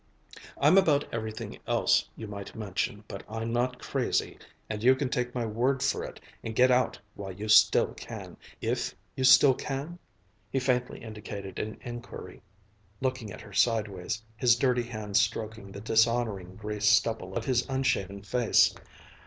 "I'm about everything else you might mention, but I'm not crazy. And you take my word for it and get out while you still can ... if you still can?" He faintly indicated an inquiry, looking at her sideways, his dirty hand stroking the dishonoring gray stubble of his unshaven face.